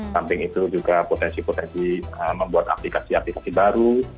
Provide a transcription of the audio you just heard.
samping itu juga potensi potensi membuat aplikasi aplikasi baru